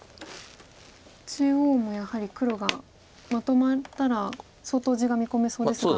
中央もやはり黒がまとまったら相当地が見込めそうですか。